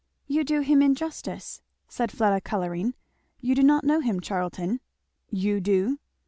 "You do him injustice," said Fleda, colouring; "you do not know him, Charlton." "You do?"